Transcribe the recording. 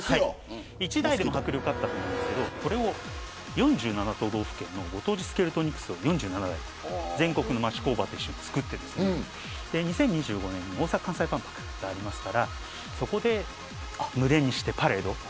１台でも迫力があったと思うんですがこれを４７都道府県のご当地スケルトニクスを４７台全国の町工場と一緒に作って２０２５年に大阪・関西万博がありますから、そこで群れにしてパレード。